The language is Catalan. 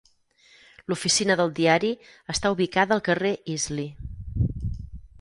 L'oficina del diari està ubicada al carrer Easley.